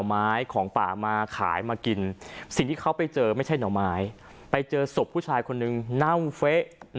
ไม้ของป่ามาขายมากินสิ่งที่เขาไปเจอไม่ใช่หน่อไม้ไปเจอศพผู้ชายคนนึงเน่าเฟะ